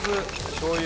しょうゆ。